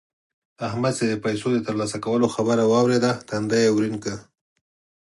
احمد چې د پيسو د تر لاسه کولو خبره واورېده؛ تندی يې ورين کړ.